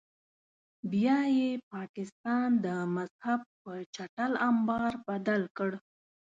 بیا یې پاکستان د مذهب په چټل امبار بدل کړ.